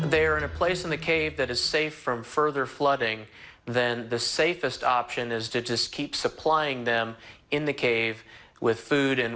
ถ้าคุณมาถึงในตอนนี้เรื่องไม่ปลอดภัย